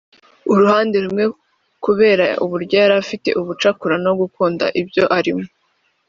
uruhande rumwe kubera uburyo yari afite ubucakura no gukunda ibyo arimo